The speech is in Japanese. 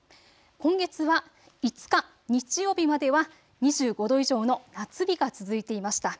今月は５日、日曜日までは２５度以上の夏日が続いていました。